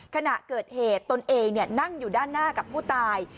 ขณะเกิดเหตุตนเองนั่งอยู่ด้านหน้ากับผู้ตาย